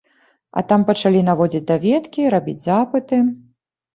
А там пачалі наводзіць даведкі, рабіць запыты.